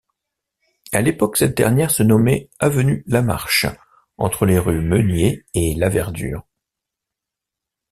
À l'époque, cette dernière se nommait avenue Lamarche entre les rues Meunier et Laverdure.